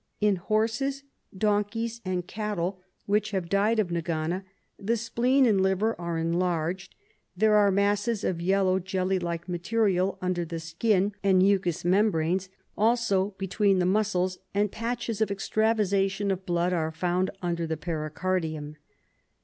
In horses, donkeys and cattle which have died of nagana, the spleen and liver are enlarged, there sxe masses of yellow, jelly like material under the skin and mucous membranes, also between the muscles, and patches of extravasation of blood are found under the pericardium.